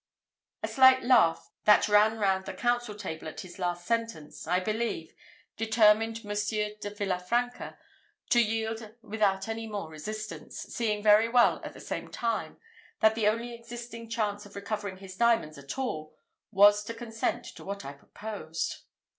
A slight laugh that ran round the council table at this last sentence, I believe, determined Monsieur de Villa Franca to yield without any more resistance, seeing very well, at the same time, that the only existing chance of recovering his diamonds at all, was to consent to what I proposed.